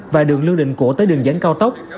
và đường lương định cổ tới đường dẫn cao tốc